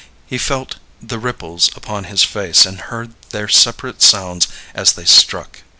He felt the ripples upon his face and heard their separate sounds as they struck.